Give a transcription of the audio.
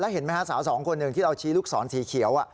แล้วเห็นไหมครับสาวสองคนนึงที่เราชี้ลูกศรสีเขียว